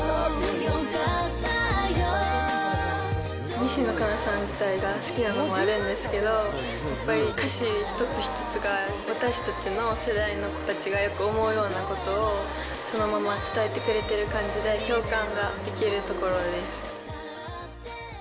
西野カナさん自体が好きなのもあるんですけど、やっぱり歌詞一つ一つが私たちの世代の子たちがよく思うようなことを、そのまま伝えてくれてる感じで共感ができるところです。